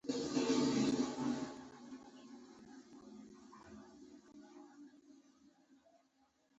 هګۍ د فټنس خلکو خوراک دی.